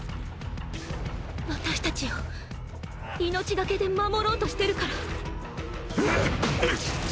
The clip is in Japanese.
私たちを命懸けで守ろうとしてるから。